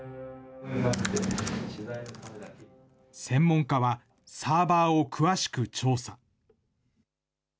専門家は、サーバーを詳しく調査。